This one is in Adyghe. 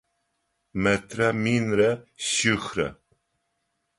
Метрэ минрэ шъихрэ.